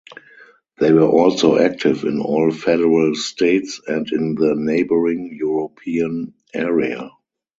They were also active in all federal states and in the neighboring European area.